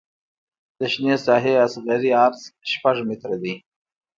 د شنې ساحې اصغري عرض شپږ متره دی